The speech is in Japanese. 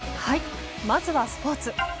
まずはスポーツ。